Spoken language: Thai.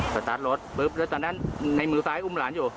สตาร์ทรถปุ๊บแล้วตอนนั้นในมือซ้ายอุ้มหลานอยู่